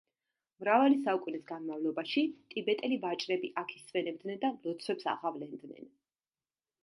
მრავალი საუკუნის განმავლობაში, ტიბეტელი ვაჭრები აქ ისვენებდნენ და ლოცვებს აღავლენდნენ.